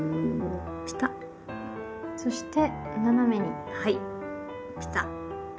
そして斜めにはいピタッ。